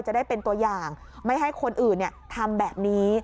จะได้เป็นตัวอย่างไม่ให้คนอื่นทำแบบนี้